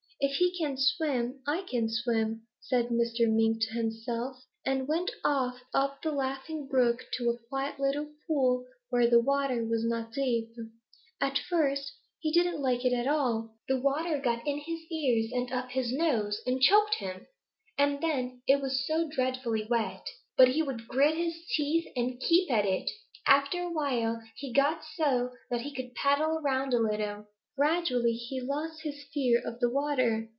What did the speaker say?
'If he can swim, I can swim,' said Mr. Mink to himself, and went off up the Laughing Brook to a quiet little pool where the water was not deep. "At first he didn't like it at all. The water got in his ears and up his nose and choked him. And then it was so dreadfully wet! But he would grit his teeth and keep at it. After a while he got so that he could paddle around a little. Gradually he lost his fear of the water.